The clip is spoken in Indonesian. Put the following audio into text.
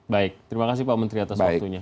baik terima kasih pak menteri atas waktunya